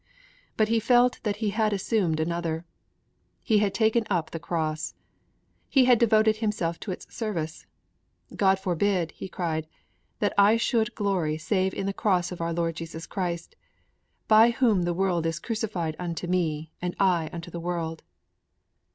But he felt that he had assumed another. He had taken up the Cross. He had devoted himself to its service. 'God forbid,' he cried, '_that I should glory save in the Cross of our Lord Jesus Christ, by whom the world is crucified unto me and I unto the world.